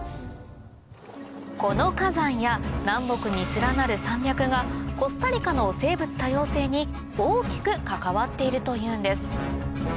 この火山や南北に連なる山脈がコスタリカの生物多様性に大きく関わっているというんです